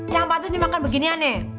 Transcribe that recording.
yang patutnya makan beginian nih